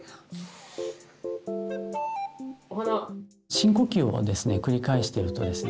深呼吸を繰り返してるとですね